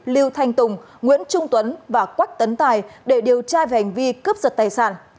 lưu thanh tùng nguyễn trung tuấn và quách tấn tài để điều tra về hành vi cướp giật tài sản